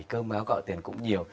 cơm áo gạo tiền cũng nhiều